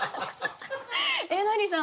えなりさん